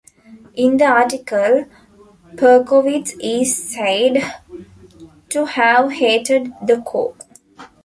In the article, Perkowitz is said to have hated "The Core".